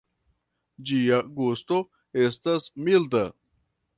Ĝia gusto estas milda.